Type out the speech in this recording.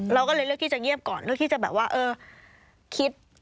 เราก็เลยเลือกที่จะเงียบก่อนเลือกที่จะแบบว่าเออคิด